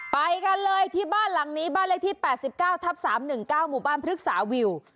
ไปกันเลยที่บ้านหลังนี้บ้านเลขที่๘๙ทับ๓๑๙หมู่บ้านพฤกษาวิว